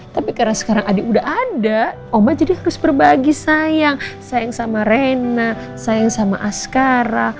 tapi karena sekarang adik udah ada oma jadi harus berbagi sayang sayang sama rena sayang sama askara